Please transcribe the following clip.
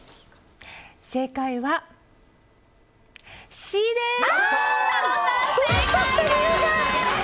正解は、Ｃです！